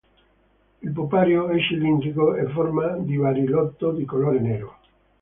Il pupario è cilindrico, a forma di barilotto, di colore nero.